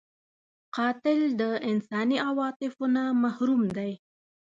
قاتل د انساني عاطفو نه محروم دی